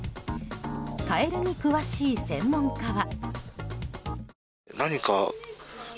カエルに詳しい専門家は。